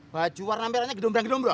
baju warna merahnya gedombrol gedombrol